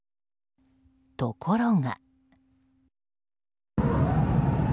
ところが。